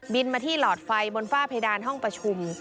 มาที่หลอดไฟบนฝ้าเพดานห้องประชุม